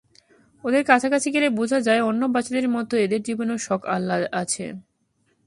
ওদের কাছাকাছি গেলে বোঝা যায়, অন্য বাচ্চাদের মতো এদের জীবনেও শখ-আহ্লাদ আছে।